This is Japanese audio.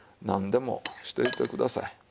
なんでもしといてください。